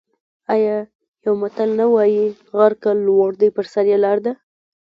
آیا یو متل نه وايي: غر که لوړ دی په سر یې لاره ده؟